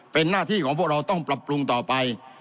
เป็นหน้าที่ของพวกเราต้องปรับปรุงต่อไป